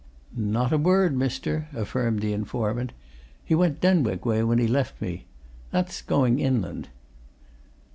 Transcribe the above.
"Not a word, mister," affirmed the informant. "He went Denwick way when he left me. That's going inland."